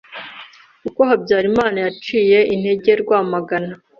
Uko Habyarimana yaciye intege Rwamagana